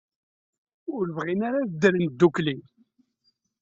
Ur bɣin ara ad ddren ddukkli.